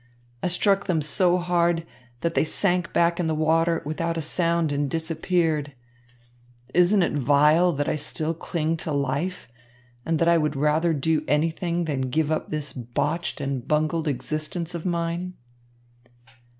I struck them so hard that they sank back in the water without a sound and disappeared. Isn't it vile that I still cling to life and that I would rather do anything than give up this botched and bungled existence of mine?"